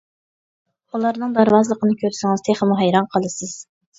ئۇلارنىڭ دارۋازلىقىنى كۆرسىڭىز تېخىمۇ ھەيران قالىسىز.